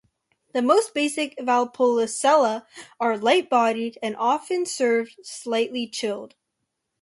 The most basic Valpolicella are light-bodied and often served slightly chilled.